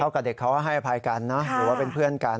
กับเด็กเขาก็ให้อภัยกันนะหรือว่าเป็นเพื่อนกัน